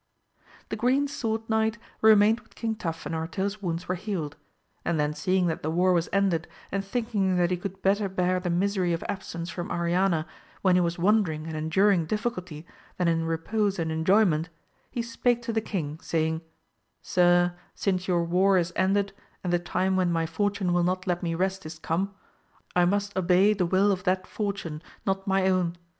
The Green Sword Knight remained with King Tafinor till his wounds were healed, and then seeing that the war was ended, and thinking that he could better bear the misery of absence from Oriana, when he was wandering and enduring difficulty, than in repose and enjoyment, he spake to the king, saying, Sir, since your war is ended, and the time when my fortune will not let me rest is come, I must obey the will of that fortune, not my own.